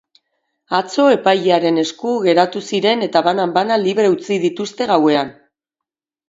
Atzo epailearen esku geratu ziren eta banan-banan libre utzi dituzte gauean.